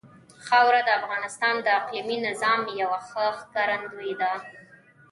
خاوره د افغانستان د اقلیمي نظام یوه ښه ښکارندوی ده.